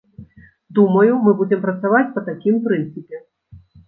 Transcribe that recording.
Думаю, мы будзем працаваць па такім прынцыпе.